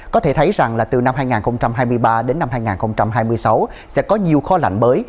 có thể thấy rằng là từ năm hai nghìn hai mươi ba đến năm hai nghìn hai mươi sáu sẽ có nhiều kho lạnh mới